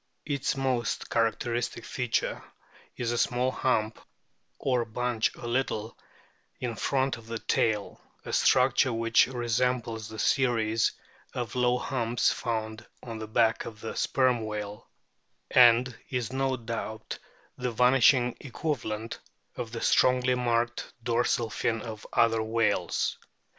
Its most characteristic feature is a small hump or bunch a little in front of the tail, a structure which resembles the series of low humps found on the back of the Sperm whale, and is no doubt the vanishing equi valent of the strongly marked dorsal fin of other RIGHT WHALES 131 whales.